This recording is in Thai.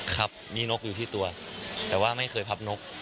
ครับมีนกอยู่ที่ตัวแต่ว่าไม่เคยพับนก